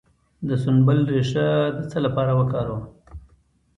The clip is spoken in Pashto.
د سنبل ریښه د څه لپاره وکاروم؟